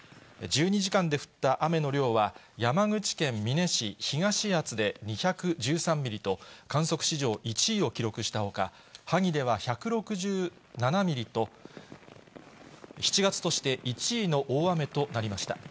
１２時間で降った雨の量は、山口県美祢市東厚保で２１３ミリと観測史上１位を記録したほか、萩では１６７ミリと、７月として１位の大雨となりました。